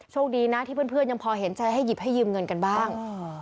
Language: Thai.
คดีนะที่เพื่อนยังพอเห็นใจให้หยิบให้ยืมเงินกันบ้าง